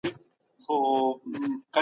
هغه څوک چي لولي هغه پوښتنه کولای سي.